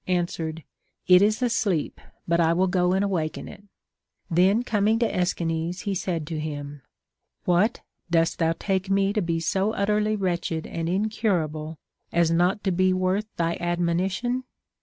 answered. It is asleep, but I will go and awaken it. Then coming to Aeschines, he said to him, What? dost thou take me to be so utterly wretched and incurable as not to be worth thy admonition